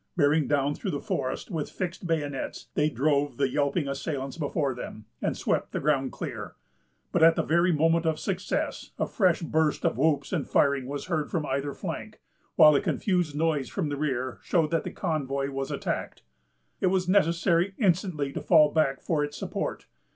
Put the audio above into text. Bearing down through the forest with fixed bayonets, they drove the yelping assailants before them, and swept the ground clear. But at the very moment of success, a fresh burst of whoops and firing was heard from either flank; while a confused noise from the rear showed that the convoy was attacked. It was necessary instantly to fall back for its support.